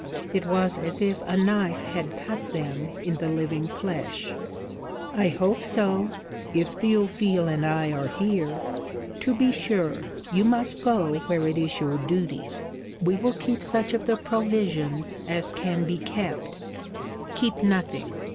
It was as if a knife had cut them in the living flesh. 'I hope so if Théophile and I are here. To be sure, you must go where it is your duty. We will keep such of the provisions as can be kept ' 'Keep nothing.